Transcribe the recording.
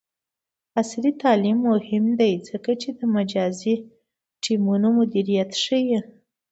عصري تعلیم مهم دی ځکه چې د مجازی ټیمونو مدیریت ښيي.